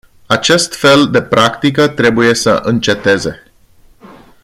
Acest fel de practică trebuie să înceteze.